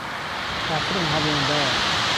کافرن ههڵیان داوه